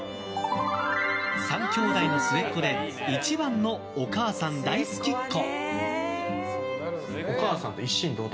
３きょうだいの末っ子で一番のお母さん大好きっ子。